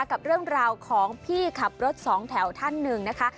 กับเรื่องราวของพี่ขับรถสองแถวท่านหนึ่งนะคะ